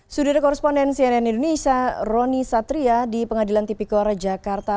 sudir korresponden cnn indonesia roni satria di pengadilan tipikore jakarta